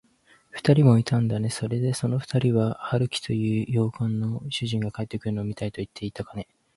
ふたりもいたんだね。それで、そのふたりは、春木という洋館の主人が帰ってくるのを見たといっていたかね。